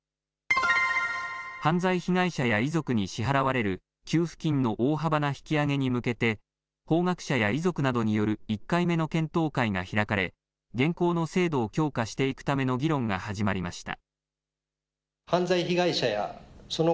犯罪被害者や遺族に支払われる給付金の大幅な引き上げに向けて、法学者や遺族などによる１回目の検討会が開かれ、現行の制度を強化していくための議論が始まりました。